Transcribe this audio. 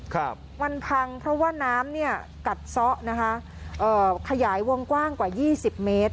ครับมันพังเพราะว่าน้ำเนี้ยกัดซะนะคะเอ่อขยายวงกว้างกว่ายี่สิบเมตร